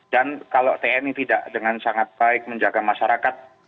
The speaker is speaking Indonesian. dan kalau tni tidak dengan sangat baik menjaga masyarakat